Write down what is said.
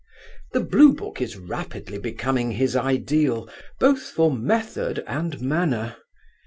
The Blue Book is rapidly becoming his ideal both for method and manner.